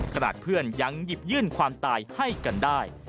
ขนาดเพื่อนยังหยิบยื่นความตายให้กันได้